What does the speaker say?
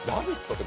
って